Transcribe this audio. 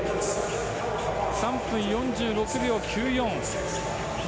３分６秒９４。